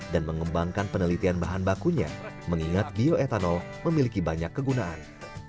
dan mengembangkan penelitian bahan bakunya mengingat bioetanol memiliki banyak kegunaan